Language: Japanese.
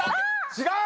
違う！